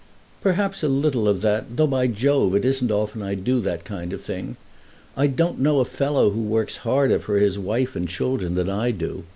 "Perhaps a little of that; though, by Jove, it isn't often I do that kind of thing. I don't know a fellow who works harder for his wife and children than I do.